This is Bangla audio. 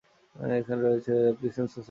এছাড়া রয়েছে রেড ক্রিসেন্ট সোসাইটি।